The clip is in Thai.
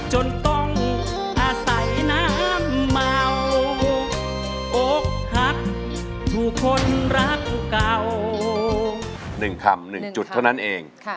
หนึ่งคำหนึ่งจุดเท่านั้นเอง